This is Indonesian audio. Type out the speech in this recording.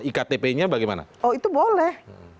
iktp nya bagaimana oh itu boleh